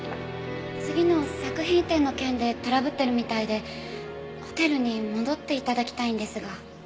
次の作品展の件でトラブってるみたいでホテルに戻って頂きたいんですが。